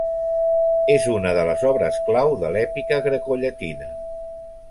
És una de les obres clau de l'èpica grecollatina.